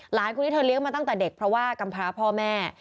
หลานคนนี้เธอเลี้ยงมาตั้งแต่เด็กเพราะว่ากำพร้าพ่อแม่